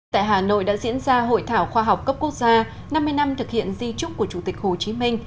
tại hà nội đã diễn ra hội thảo khoa học cấp quốc gia năm mươi năm thực hiện di trúc của chủ tịch hồ chí minh